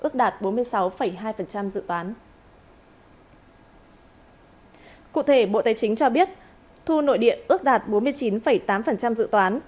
cụ thể bộ tài chính cho biết thu nội địa ước đạt bốn mươi chín tám dự toán